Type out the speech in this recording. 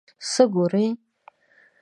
څه ګورې ؟